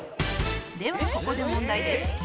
「ではここで問題です」